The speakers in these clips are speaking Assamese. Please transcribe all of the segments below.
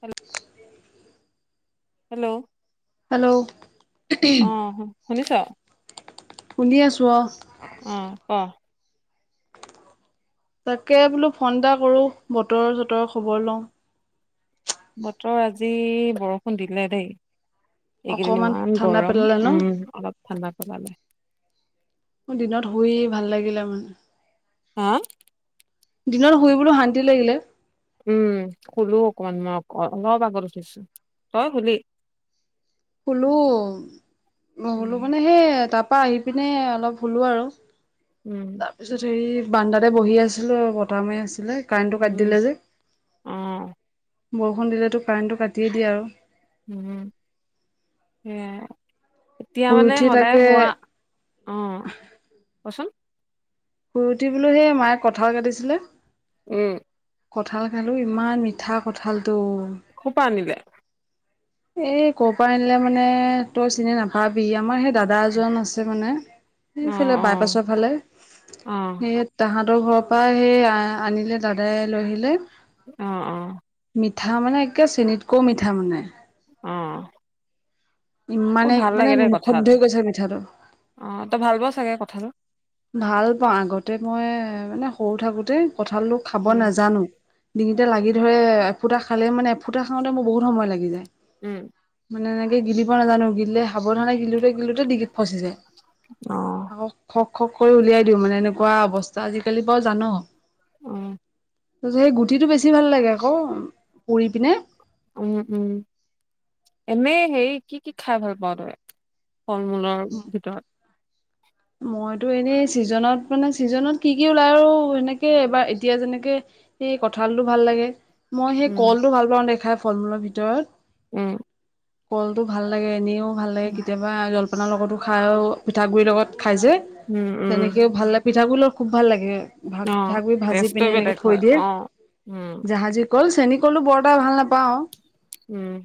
হেল্ল'? হেল্ল'? হেল্ল' অ', শুনিছ? শুনিআছোঁ অ'। অ', ক? তাকে বোলোঁ ফোন এটা কৰোঁ, বতৰ চতৰৰ খবৰ লওঁ। বতৰ আজি বৰষুণ দিলে দেই। এইকেইদিন অকণমান ইমান ঠাণ্ডা গৰম। পেলালে উম, ন অলপ ঠাণ্ডা পেলালে। মোৰ দিনত শুই ভাল লাগিলে মানে। সা? দিনত শুইবোলোঁ শান্তি লাগিলে। উম, শুলোঁ অকমান মই অলপ আগত উঠিছোঁ, তই শুলি? শুলোঁ। উম শুলোঁ মানে সেই তাৰপা আহি পিনে অলপ শুলোঁ আৰু। উম। তাৰপিছত হেৰি বাৰাণ্ডাতে বহি আছিলোঁ আৰু বতাহ মাৰি আছিলে, কাৰেণ্টটো কাটি উম দিলে যে। অ'। বৰষুণ দিলেতো কাৰেণ্টটো কাটিয়েই দিয়ে আৰু। উম, সেয়াই, এতিয়া শুই মানে উঠি সদায় তাকে হোৱা? অ', কোৱাচোন? শুই উঠি বোলোঁ সেই মায়ে কঁঠাল কাটিছিলে। উম। কঁঠাল খালোঁ, ইমান মিঠা কঁঠালটো। ক'ৰ পৰা আনিলে? এই ক'ৰ পৰা আনিলে মানে, তই চিনি নাপাবি। আমাৰ সেই দাদা দাদা এজন আছে মানে, অ অ সেইফালে বাইপাছৰ ফালে। অ সেয়াত তাহাঁতৰ ঘৰৰপা সেই আ আনিলে, দাদাই লৈ আহিলে। অ', অ'। মিঠা মানে একে চেনত্‌কও মিঠা মানে। অ'। মোৰ ইমানে ভাল মানে লাগে দেই কঁঠাল মুখত ধৰি গৈছে মিঠাটো। অ', ত ভাল হব চাগে কঠালটো। ভাল পাওঁ আগতে মই মানে সৰু থাকোতে কঠালটো খাব উম নাজানো ডিঙিতে লাগি ধৰে। ফুটা খালে মানে, এফুটা খাওঁতে মোৰ বহুত সময় লাগি যায়। উম। মানে এনেকে গিলিব নাজানো, গিলিলে সাৱধানে গিলোতে-গিলোতে ডিঙিত ফচি যায়। অ আকৌ খক্‌ খক কৰি উলিয়াই দিওঁ মানে এনেকুৱা অৱস্থা আজি কালি বাৰু জানোঁ। অ'। তাৰপিছত সেই গুটিটো বেছি ভাল লাগে আক পুৰিপিনে। উম-উম, এনেই হেৰি কি কি খাই ভাল পাওঁ তই? ফল-মূলৰ ভিতৰত। মইটো এনেই ছিজনত মানে ছিজনত কি কি ওলাই আৰু সেনেকে বা এতিয়া যেনেকে সেই কঠালটো ভাল লাগে। মই সেই উম, কলটো ভাল পাওঁ দে খাই ফল-মূলৰ ভিতৰত। উম। কলটো ভাল লাগে। এনেও ভাল লাগে। উম, কেতিয়াবা জলপানাৰ লগটো খাওঁ পিঠাগুৰিৰ লগত খাই যে উম, উম। তেনেকেও ভালে লাগে। পিঠাগুৰিৰ লগত খুব ভাল লাগে। ভাগ অ', পিঠাগুৰি ভাজি টেষ্টটোৱে পিনে বেলেগ এনেকে হয়, থৈ দিয়ে। অ', উম, জাহাজি কল, চেনীকলো বৰ এটা ভাল নাপাওঁ। উম।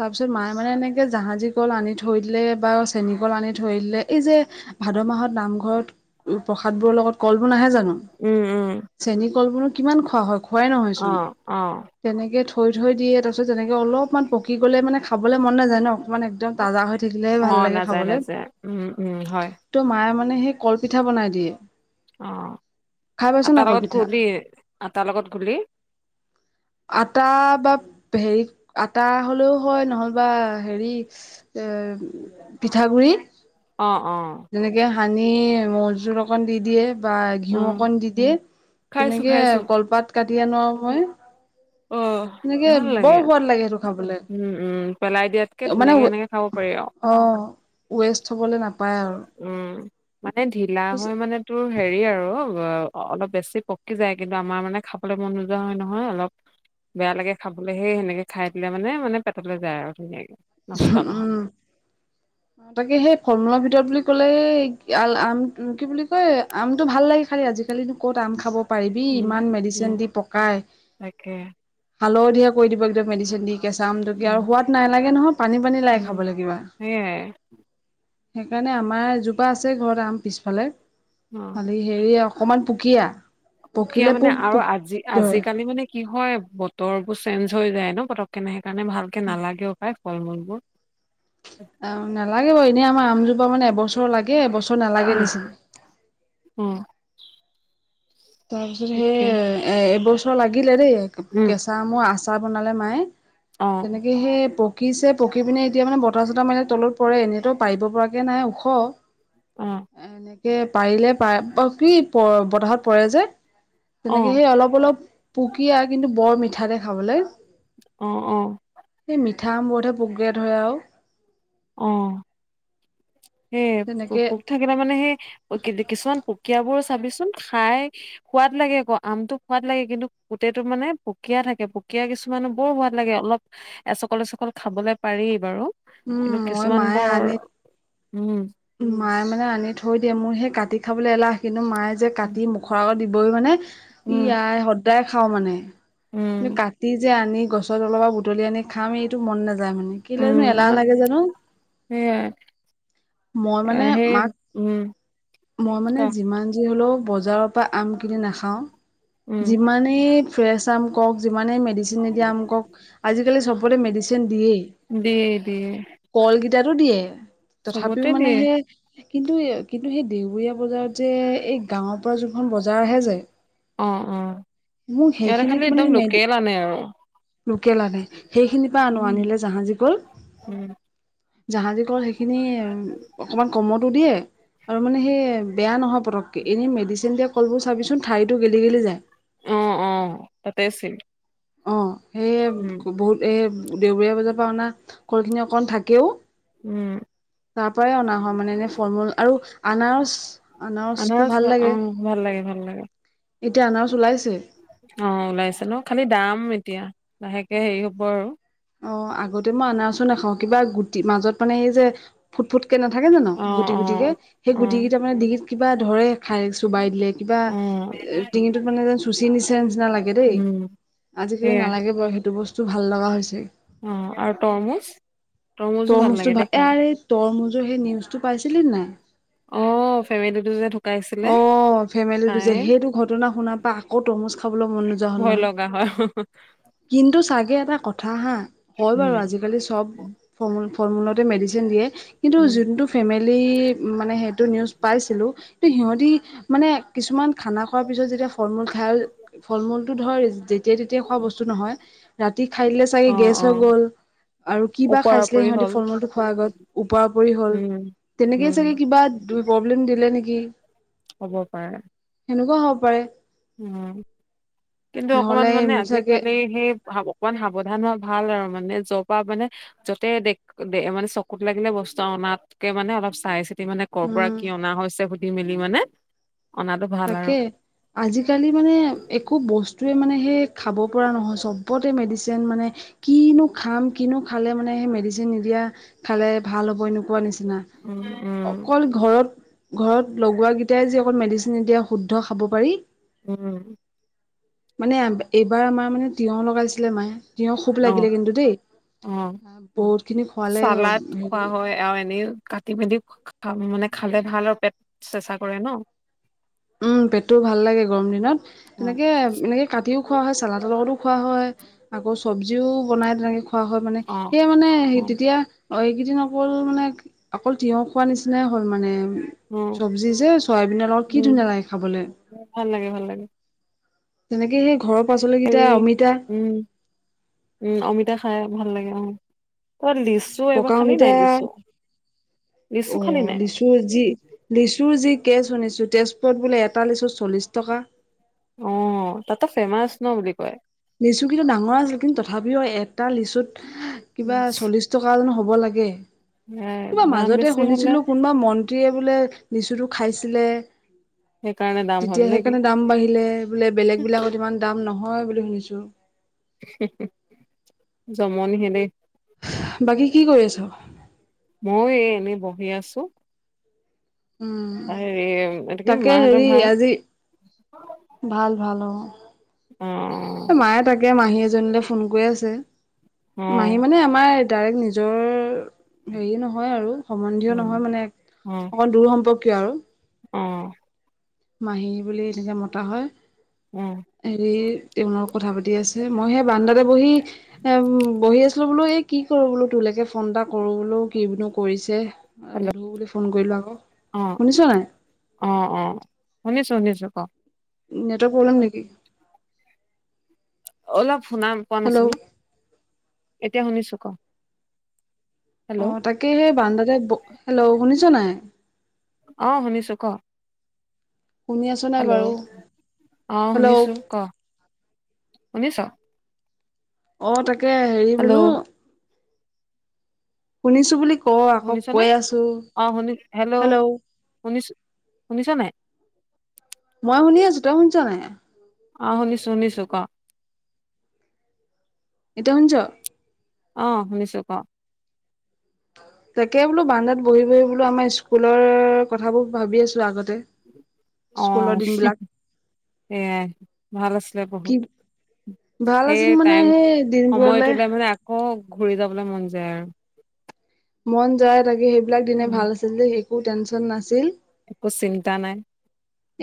তাৰপিছত মায়ে মানে এনেকে জাহাজী কল আনি থৈ দিলে বা চেনী কল আনি থৈ দিলে, এই যে ভাদ মাহত নামঘৰত প্ৰসাদবোৰৰ লগত কলবোৰ নাহে জানো? উম, উম। চেনীকলবোৰ কিমান খোৱা হ'য়? খোৱাই নহয়চোন। অ', অ', তেনেকে থৈ-থৈ দিয়ে তাৰপিছত তেনেকে অলপমান পকি গ'লে মানে খাবলৈ মন নাযায় ন। অকমান একদম তাজা হৈ থাকিলে হে ভাল লাগে খাবলৈ। উম-উম হয়। ত মায়ে মানে সেই কলপিঠা বনাই দিয়ে। অ' খাই পাইছ নাই আটাৰ লগত কলপিঠা গুলী আটাৰ লগত গুলী। আটা বা হেৰি আটা হলেও হ'য় নহ'লে বা হেৰি এ পিঠাগুৰি অ', অ'। যেনেকে হানি মৌওজুল অকণ দি দিয়ে। বা ঘিউ অ', অকন দি দিয়ে। খাইছো তেনেকে খাইছো, কলপাত কাটি আনো আৰু মই। অ', তেনেকে ভাল লাগে, বৰ সোৱাদ লাগে সেইটো খাবলে। উম, উম। পেলাই দিয়াতকে মানে ধুনীয়াকে এনেকে খাব পাৰি আওঁ। অ'। ৱেষ্ট হবলৈ নাপায় আৰু উম, মানে ঢিলা হ'য় মানে তো হেৰি আৰু অ' অলপ বেছি পকি যায় কিন্তু আমাৰ মানে খাবলৈ মন নোযোৱা হয় নহয় অলপ বেয়া লাগে খাবলৈ সেই সেনেকে খাই দিলে মানে মানে পেটলৈ যায় আৰু ধুনীয়াকে। নষ্ট নহয়। [unintelligible] অ' তাকে সেই ফল মূলৰ ভিতৰত বুলি ক'লে আল আম কি বুলি কয় আমটো ভাল লাগে খালি আজিকালি ক'ত আম খাব। মাৰিবি উম, ইমান উম, মেডিচিন দি পকাই তাকে হালধীয়া কৰি দিব একদম মেডিচিন দি। কেচা আমটো কি আৰু উম, সোৱাদ নাইলাগে নহয় পানী-পানী লাগে উম, খাবলৈ কিবা। সেইয়াই সেইকাৰণে আমাৰ এজোপা আছে ঘৰত আম পিছফালে। অ', হেৰি অকণমান পুকীয়া। পুকীয়া পকিলে মানে পোক আৰু পোক আজি ধৰে আজিকালি মানে কি হয় বতৰ বোৰ চেঞ্জ হৈ যায় ন পট কেনে সেইকাৰণে ভালকে নালাগেও খাই ফল মূলবোৰ। অ নালাগে ব এনেই আমাৰ আমজোপা মানে এবছৰ লাগে এবছৰ নালাগে উম, নিচিনা উম। তাৰ পিছত সেই তাকে এ এবছৰ লাগিলে দেই কেছ উম, কা আমৰ আচাৰ বনালে মায়ে অ', তেনেকে সেই প পকিছে পকি পিনে এতিয়া মানে বতাহ-চতাহ মাৰিলে তলত পৰে এনেতো পাৰিব পৰাকে নাই ওখ। অ'। এনেকে পাৰিলে পাৰা অ' কি বতাহত পৰে যে। তেনেকে অ', সেই অলপ-অলপ পুকীয়া কিন্তু বৰ মিঠাদে খাবলৈ। অঁ অঁ। এই মিঠা আমবোৰতহে পোকে ধৰে আৰু অ সেই তেনেকে থাকিলে মানে সেই কিছুমান পুকিয়াবোৰ চাবিচোন খাই সোৱাদ লাগে আকৌ আমটো সোৱাদ লাগে কিন্তু গোটটো মানে পুকীয়া থাকে পুকীয়া কিছু কিছুমানে বৰ সোৱাদ লাগে অলপ এচকল, এচকল খাবলে পাৰি বাৰু উম কিন্তু মই কিছুমান মায়ে বৰ আনি উম মায়ে মানে আনি থৈ দিয়ে মোৰ সেই কাটি খাবলৈ এলাহ কিন্তু মায়ে যে উম কাটি মুখৰ আগত দিবই মানে, ই আই সদায় খাওঁ মানে উম কাটি যে আনি গছৰ তলৰ পৰা বুটলি আনি খাম এইটো মন নাযায় যায় মানে কেলেই নো এলাহ লাগে জানো সেইয়াই মই মানে মাক উম -মই ক মানে যিমান যি হ'লেও বজাৰত পৰা আম কিনি নাখাওঁ, উম যিমানেই ফ্ৰেছ আম কওক যিমানেই মেডিচিন চিন নিদিয়া আম কওক, আজিকালি চবৰে মেডিচিন দিয়েই দিয়ে-দিয়ে কলকেইটাতো দিয়ে তথাপি টো মানে দিয়ে সেই কিন্তু- কিন্তু সেই দেওবৰীয়া বজাৰত যে এই গাঁৱৰ পৰা যোনখন বজাৰ আহে যে? অ, অ। মোক সিহঁতৰ সেইখিনিত খিনি মানে একদম মেডি লোকেল আনে আৰু লোকেল আনে। সেইখিনিৰ পৰা আনো উম আনিলে জাহাজী কল উম। জাহাজী কল সেইখিনিয়ে আৰু অকনমান কমতো দিয়ে আৰু মানে সেই বেয়া নহয় পটককে, এনে মেডিচিন দিয়া কলবোৰ চাবিচোন ঠাৰিটো গেলি গেলি যায় অ অ তাতে আছিল অহ, সেয়ে বহুত এই দেওবৰীয়া বজাৰৰ পৰা অনা কলখিনি অকন থাকেও উম। তাৰ পৰাই অনা হয় মানে এনে ফল- মূল আৰু আনাৰস আনাৰসটো আনাৰস ভাল বা অ লাগে ভাল লাগে ভাল লাগে এতিয়া আনাৰস ওলাইছে অ ওলাইছে ন খালি দাম এতিয়া লাহেকে হেৰি হব আৰু অ আগতে মই আনাৰস নাখাও, কিবা গুটি- মাজত মানে এই যে ফুট-ফুটকে নাথাকে জানো অ গুটি অ গুটিকে সেই অ গুটিকেইটা মানে ডিঙিত কিবা ধৰে খাই চুবাই দিলে কিবা অ এ ডিঙিটোত মানে চুচি নিচে নিচিনা লাগে দেই উম আজিকালি সেয়াই নালাগে বাৰু সেইটো বস্তু ভাল লগা হৈছে অ, আৰু তৰমুচ? তৰমূচ টো ভাল, আৰে তৰমূচৰ সেই নিউজটো পাইছিলি নে নাই অ ফেমিলিটো যে ঢুকাইছিলে। অ ফেমিলি টো খাই যে, সেইটো ঘটনা শুনাৰ পা আকৌ তৰমুজ খাবলৈ মন নোযোৱা হল ভয় নহয় লগা হয়, হো হো কিন্তু চাগে এটা কথা হা, হয় বাৰু উম আজিকালি চব ফলমূল -ফল- মূলতে মেডিচিন দিয়ে কিন্তু উম যোনটো ফেমিলি মানে সেইটো নিউজ পাইছিলো। সিহঁতি মানে কিছুমান খানা খোৱাৰ পিছত যেতিয়া ফল মূল খাই ফল মূলটো ধৰ যেতিয়াই তেতিয়াই খোৱা বস্তু নহয় যে। ৰাতি খাই দিলে চাগে অ গেছ অ হৈ গ'ল, আৰু কিবা ওপৰা খাইছিলে ওপৰি সিহঁতি হ'ল ফল মূলটো খোৱাৰ আগত ওপৰা ওপৰি হ'ল। উম তেনেকে উম চাগে কিবা প্ৰব্লেম দিলে নেকি? হ'ব পাৰে। সেনেকুৱা হব পাৰে। উম, কিন্তু অকমান নহ'লে মানে চাগে আজিকালি সেই ভাব অকমান সাৱধান হোৱা ভাল আৰু মানে যৰ পৰা মানে যতে দে মানে চকুত লাগিলে বস্তু অনাতকে মানে অলপ চাই চিতি মানে কৰ' পৰা উম কি অনা হৈছে সুধি মেলি মানে অনাটো ভাল আৰু। তাকে আজিকালি মানে একো বস্তুৱে মানে সেই খাব পৰা নহয় চব ওপতে মেডিচিন মানে কিনো খাম কিনো খালে মানে সেই মেডিচিন নিদিয়া, খালে ভাল হ'ব এনেকুৱা নিচিনা। উম, উম, অকল ঘৰত ঘৰত লগোৱা কেইটাই যে অকল মেডিচীন নিদিয়া শুদ্ধ খাব পাৰি, উম। মানে এইবাৰ আমাৰ মানে তিয়হ লগাইছিলে মায়ে। তিয়হ খুব অ', লাগিলে কিন্তু দেই। অ বহুত খিনি খোৱালে চালাড খোৱা হেৰি হয় আৰু এনেই কাটি মেলি মানে খালে ভাল আৰু পেট চেচা কৰে ন। উম পেটটো ভাল লাগে গৰম দিনত অ', তেনেকে এনেকে কাটিও খোৱা হয় চালাতৰ লগতো খোৱা হয় আকৌ চব্জিও বনাই তেনেকে খোৱা হয়। মানে অ', সেয়ে মানে সেই অ', অ', তেতিয়া অ এইকেইদিন অকল মানে অকল তিয়হ খোৱা নিচিনাই হ'ল মানে। চব্জি যে চয়াবিনৰ লগ কি উম। ধুনীয়া লাগে খাবলে। ভাল লাগে ভাল লাগে। তেনেকে সেই ঘৰৰ হেৰি পাচলিকেইটা অমিতা উম, উম অমিতা খাই ভাল লাগে অ কোবাত লি ছো এইবাৰ পকা খালি অমিতা নাই লিছো লিছো খালি নাই? লিচুৰ যি লিচুৰ যি কেছ শুনিছো তেজপুৰত বোলে এটা লিচু চল্লিশ টকা। অ তাতো ফেমাচ ন বুলি কয়। লিচু কিন্তু ডাঙৰ আছিল কিন্তু তথাপিও এটা লিচুত কিবা উম, চল্লিশ টকা জানো হব লাগে, এ কিবা দাম মাজতে বেছি হলে শুনিছিলো কোনোবা ম ন্ত্ৰীয়ে বোলে লিচুটো খাইছিলে। সেইকাৰণে দাম হ'ল তেতিয়া নে কি সেইকাৰণে দাম বাঢ়িলে বোলে বেলেগ বিলাকত ইমান দাম নহয় বুলি শুনিছো। জমনিহে দেই। বাকী কি কৰি আছ? মই এ এনেই বহি আছো। উম হেৰি এটো কি তাকে মাহঁতৰ হেৰি ভাল? আজি ভাল ভাল অ। অহ। মায়ে তাকে মাহী এজনীলৈ ফোন কৰি আছে অ মাহী মানে আমাৰ ডাইৰেক্ট নিজৰ হেৰি নহয় আৰু সম্বন্ধীয় নহয় মানে অকণ দূৰ সম্পৰ্কীয় আৰু। অহ। মাহী বুলি এনেকৈ মতা হয়। উম। হেৰি তেওঁলোক কথা পাতি আছে মই সেই বান্দাতে বহি এ বহি আছোঁ। আ বোলোঁ এই কি কৰোঁ বোলোঁ টোৰলৈকে ফোন এটা কৰোঁ বোলোঁ কি বুলিনো কৰিছে? হেল্ল' হুধো বুলি ফোন কৰিলোঁ আকৌ। অ শুনিছ নাই? অ', অ', শুনিছোঁ-শুনিছোঁ ক। নেটৱক প্ৰব্লেম নেকি? অলপ শুনা পোৱা হেল্ল' নাছিলোঁ, এতিয়া শুনিছোঁ ক। অ হেল্ল' তাকে সেই বান্দাতে, হেল্ল' শুনিছ নাই? অ শুনিছো ক। শুনি আছোঁ। হেল্ল' অঁ শুনিছোঁ ক শুনিছ। অ তাকে হেৰি বোলো হেল্ল' শুনিছো বুলি ক আকৌ শুনিছনে? কৈ আছো অ', শুনি হেল্ল'? শুনিছোঁ, শুনিছনাই? মই শুনি আছোঁ। তই শুনিছ নাই? অ', শুনিছোঁ-শুনিছোঁ ক। তই শুনিছ? অ', শুনিছোঁ ক। তাকে বোলোঁ বাৰাণ্ডাত বহি-বহি বোলোঁ আমাৰ স্কুলৰ কথাবোৰ ভাবি আছোঁ আগতে। [unintelligible] স্কুলৰ অ', দিনবিলাক সেয়াই ভাল আছিলে কি বহুত। ভাল সেই আছিল মানে টাইম সেই দিনবোৰলে সময়টোলে মানে আকৌ ঘূৰি যাবলৈ মন যায় আৰু। মন যায় তাকে সেইবিলাক দিনে উম ভাল আছিল ডেই একো টেনচন নাছিল। একো চিন্তা নাই।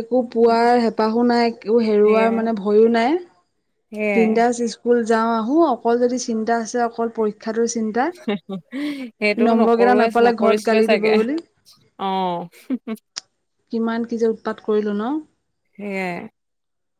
একো পোৱাৰ হেঁপাহো নাই একো হেৰুৱাৰ সেয়াই মানে ভয়ো নাই। সেয়াই বন্দাস স্কুল যাওঁ আহোঁ, অকল যদি চিন্তা আছে অকল পৰিক্ষা শিক্ষাটো চিন্তা। সেইটোও নম্বৰ কেইটা নকৰোৱে নাপালে ঘৰত নকৰিচিলোৱে গালি দিব চাগে। বুলি অ'। কিমান কি যে উৎপাত কৰিলো ন? সেয়াই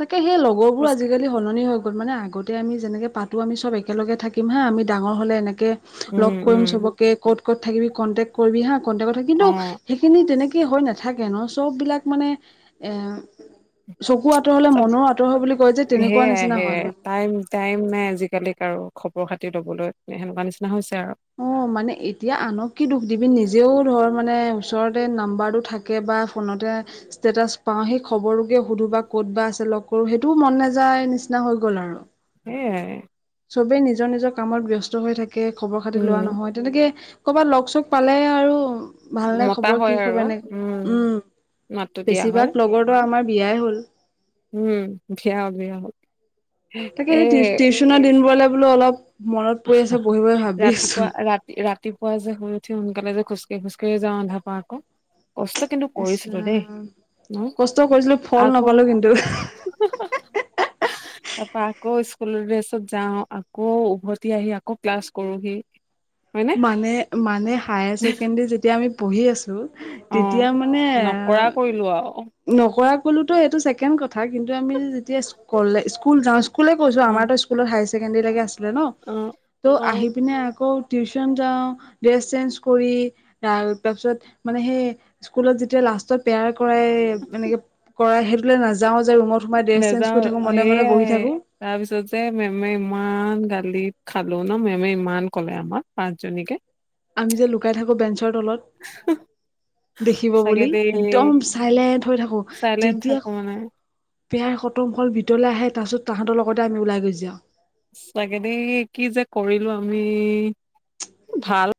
তাকে সেই লগৰবোৰ খোজ আজিকালি সলনি হৈ গ'ল মানে আগতে আমি যেনেকৈ পাতো আমি চব একেলে থাকিম হা আমি ডাঙৰ হ'লে এনেকে উম লগ কৰিম উম চবকে ক'ত - ক'ত থাকিবি কণ্টেক্ট কৰিববি হা কণ্টেক্সট থাকিম অ কিন্তু সেইখিনি তেনেকে হয় না ন, চ'ব বিলাক মানে এ চকু আঁতৰ হলে চব মনৰো আঁতৰ হয় বুলি কয় যে তেনেকুৱা সেয়াই নিচিনা সেয়াই হয়। টাইম টাইম নাই আজিকালিক আৰু খবৰ খাতি ল'বলৈ সেনেকুৱা নিচিনা হৈছে আৰু। অ', মানে এতিয়া আনক কি দুখ দিবি নিজেও ধৰ মানে ওচৰতে নাম্বাৰটো থাকে বা ফোনতে ষ্টেটাছ পাওঁ সেই খবৰ সুধো বা ক'ত বা আছে লগ কৰো সেইটোও মন নাযায় নিচিনা হৈ গ'ল আৰু। সেয়াই। চবেই নিজৰ-নিজৰ কামত ব্যস্ত হৈ থাকে খবৰ খাতি উম লোৱা নহয়। তেনেকে কৰ'বাত লগ চগ পালে আৰু ভাল নে মতা খবৰ হয় কি আৰু খবৰ এনেকে উম, মাতটো দিয়া হয় বেছিভাগ লগৰো আমাৰ বিয়াই হ'ল। উম, ভিয় বিয়া হল। তাকে এ সেই টিউচনৰ দিনবোৰলৈ বোলো অলপ মনত পৰি আছে, বহি-বহি ভাবি ৰাতিপুৱা আছোঁ। ৰাতি ৰাতিপুৱা যে শুই উঠি সোনকালে যে খোজকাঢ়ি - খোজকাঢ় যাও আধা পাও আকৌ। কষ্ট কিন্তু ইচ কৰিছিলোঁ দেই, ৰাম ন? কষ্ট কৰিছিলো ফল আকৌ নাপালো কিন্তু তাৰপা আকৌ স্কুলৰ ড্ৰেছত যাওঁ, আকৌ উভ এতি আহি আকৌ ক্লাছ কৰোহি। হয়নে? মানে - মানে হায়াৰ ছেকেণ্ডাৰী যেতিয়া আমি পঢ়ি আছোঁ তেতিয়া অ' মানে নকৰা কৰিলো আৰু অ' নকৰা কলোতো এইটো ছেকেণ্ড কথা কিন্তু আমি যেতিয়ালে স্কুল যাওঁ স্কুলে কৈছোঁ আমাৰতো স্কুলত হায়াৰ ছেকেণ্ডৰীলৈকে আছিলে ন? অ' ত' আহি অ' পিনে আকৌ টিউচন যাও ড্ৰেছ চেঞ্জ কৰি তাৰপিছত মানে সেই স্কুলত যেতিয়া লাষ্টত প্ৰেয়াৰ কৰা এনেকে কৰাই সেইটোলেই নাযাও যে ৰুমত তোমাৰ ড্ৰেছ চেঞ্ কৰি থাকো মনে - মনে বহি থাকো। তাৰ পিছ যে মেমে ইমান গালি খালো ন মেমে ইমান কলে আমাক পাচ জনীকে। আমি যে লুকাই থাকোঁ বেঞ্চৰ তলত? উ [unintelligible] দেখিব বুলি একদম চাইলেণ্ট হৈ থাকোঁ, চাইলেণ্ট যেতিয়া থাকো মানে পেয়াৰ কটম হল ভিতৰলৈ আহে তাৰ পিছত তাহাতৰ লগতে আমি ওলাই গুচি যাওঁ। সচাকে দ কি যে কৰিলো আমি ভাল